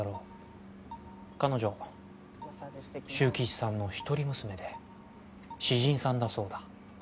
彼女修吉さんの一人娘で詩人さんだそうだ。